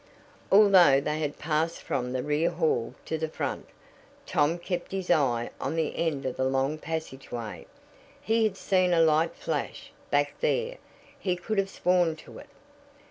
Although they had passed from the rear hall to the front, Tom kept his eye on the end of the long passageway. He had seen a light flash back there he could have sworn to it.